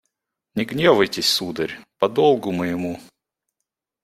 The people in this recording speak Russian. Не гневайтесь, сударь: по долгу моему